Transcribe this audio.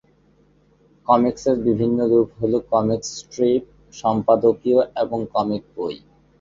কমিকসের বিভিন্ন রূপ হলো কমিক স্ট্রিপ, সম্পাদকীয় এবং কমিক বই।